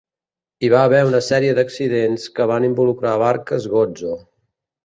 Hi va haver una sèrie d'accidents que van involucrar barques Gozo.